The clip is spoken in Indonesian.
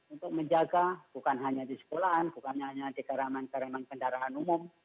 untuk menjaga bukan hanya di sekolahan bukan hanya di karaman karaman kendaraan umum